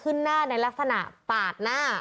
เพราะถูกทำร้ายเหมือนการบาดเจ็บเนื้อตัวมีแผลถลอก